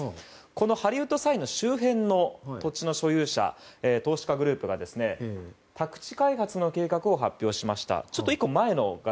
このハリウッド・サインの周辺の土地の所有者、投資家グループが宅地開発の計画を発表しました。